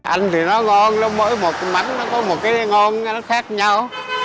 ăn thì nó ngon mỗi một cái mắm nó có một cái ngon nó khác nhau